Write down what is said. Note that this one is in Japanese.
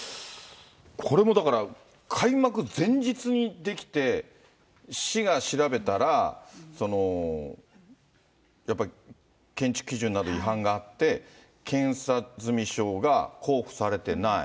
これもだから、開幕前日に出来て、市が調べたら、やっぱり建築基準など違反があって、検査済証が交付されてない。